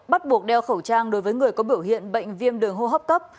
bắt buộc đeo khẩu trang đối với người có biểu hiện bệnh viêm đường hô hấp cấp